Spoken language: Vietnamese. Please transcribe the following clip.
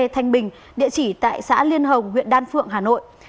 thanh bình địa chỉ tại xã liên hồng huyện đan phượng hà nội